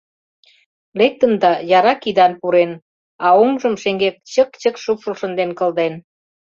Лектын да яра кидан пурен, а оҥжым шеҥгек чык-чык шупшыл шынден кылден.